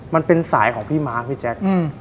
มันเป็นสายของพี่ม้าพี่แจ๊ค